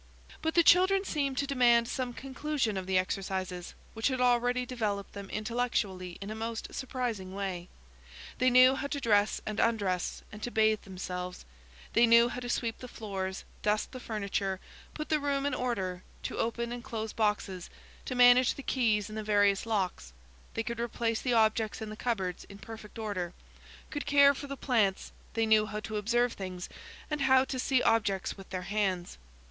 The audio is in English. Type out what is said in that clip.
But the children seemed to demand some conclusion of the exercises, which had already developed them intellectually in a most surprising way. They knew how to dress and undress, and to bathe, themselves; they knew how to sweep the floors, dust the furniture, put the room in order, to open and close boxes, to manage the keys in the various locks; they could replace the objects in the cupboards in perfect order, could care for the plants; they knew how to observe things, and how to see objects with their hands.